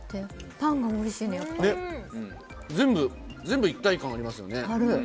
パンがおいしいの、全部、全部一体感ありますよある。